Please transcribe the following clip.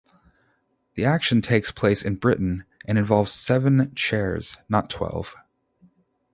The action takes place in Britain and involves seven chairs, not twelve.